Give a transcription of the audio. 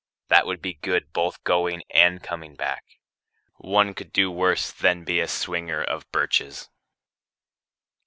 That would be good both going and coming back. One could do worse than be a swinger of birches.